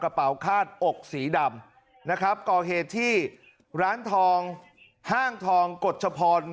กระเป๋าคาดอกสีดำนะครับก่อเหตุที่ร้านทองห้างทองกฎชพร